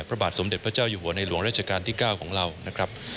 พระบาทสมเด็จพระเจ้าอยู่หัวในหลวงราชการที่๙ของเรานะครับ